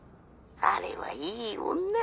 ☎あれはいい女だ。